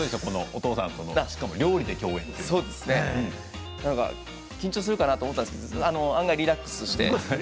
お父さんとの料理で共演は緊張するかなと思ったんですけれど案外リラックスして。